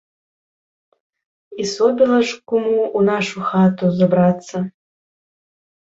І собіла ж куму ў нашу хату забрацца?